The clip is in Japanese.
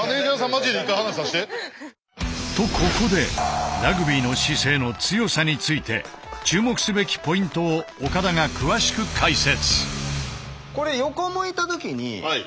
マジで一回話させて。とここでラグビーの姿勢の強さについて注目すべきポイントを岡田が詳しく解説。